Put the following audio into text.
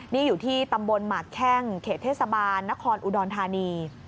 นี่อยู่ที่ตำบลหมากแข้งเขตเทศบาลนครอุดรธานี